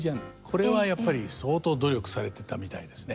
これはやっぱり相当努力されてたみたいですね。